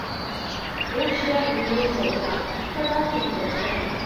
ياخشى يار مېنىڭ بولسا، قۇچىقىدا جان بەرسەم.